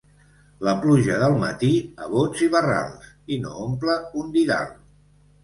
La pluja del matí a bots i barrals i no omple un didal.